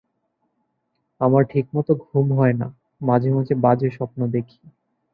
আমার ঠিকমত ঘুম হয় না, মাঝে মাঝে বাজে স্বপ্ন দেখি।